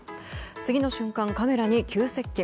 次の瞬間、カメラに急接近。